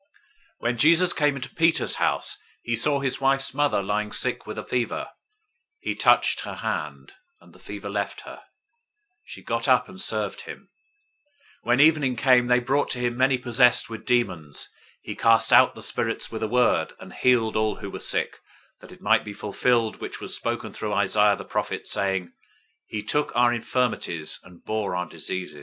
008:014 When Jesus came into Peter's house, he saw his wife's mother lying sick with a fever. 008:015 He touched her hand, and the fever left her. She got up and served him.{TR reads "them" instead of "him"} 008:016 When evening came, they brought to him many possessed with demons. He cast out the spirits with a word, and healed all who were sick; 008:017 that it might be fulfilled which was spoken through Isaiah the prophet, saying: "He took our infirmities, and bore our diseases."